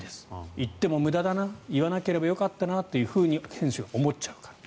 言っても無駄だな言わなければよかったなと選手が思っちゃうから。